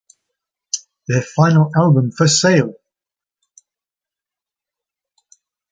Their final album For Sale!